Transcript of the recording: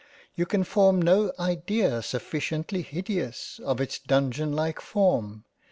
You can form no idea sufficiently hideous, of its dungeon like form.